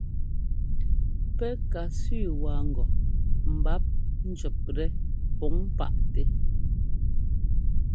Pɛ́ ka sẅi waa ŋgɔ mbǎp njʉ̈ptɛ́ pǔŋ paʼtɛ́.